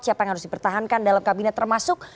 siapa yang harus dipertahankan dalam kabinet termasuk